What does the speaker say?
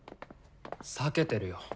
避けてるよ。